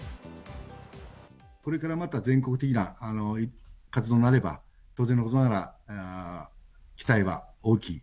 これからまた全国的な活動となれば、当然のことながら、期待は大きい。